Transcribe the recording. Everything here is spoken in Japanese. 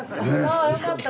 あよかった。